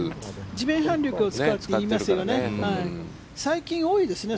地面反力を使うっていいますよね。